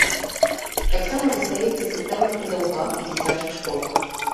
Таксама застаецца пытанне па даўгах і дзіцячых школах.